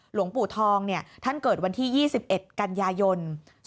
หลวงปู่ทองเนี่ยท่านเกิดวันที่๒๑กัญญายน๒๔๖๖